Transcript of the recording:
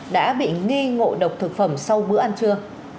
đã bị nghi ngộ độc thực phẩm sau bữa ăn trưa